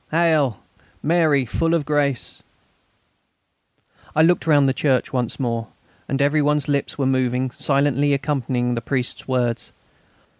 Hail! Mary, full of grace...." I looked round the church once more, and every one's lips were moving silently accompanying the priest's words.